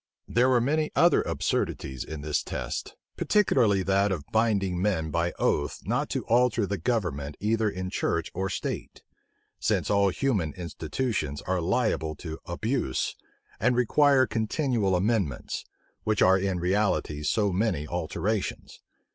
There were many other absurdities in this test, particularly that of binding men by oath not to alter the government either in church or state; since all human institutions are liable to abuse, and require continual amendments, which are in reality so many alterations.